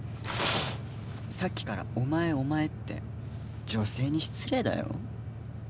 さっきからお前お前って女性に失礼だよ